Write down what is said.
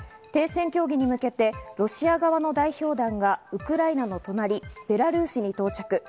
停戦協議に向けてロシア側の代表団がウクライナの隣、ベラルーシに到着。